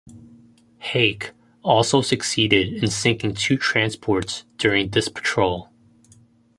"Hake" also succeeded in sinking two transports during this patrol.